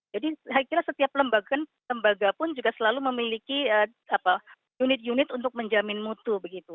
jadi saya kira setiap lembaga pun juga selalu memiliki unit unit untuk menjamin mutu begitu